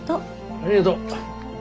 ありがと。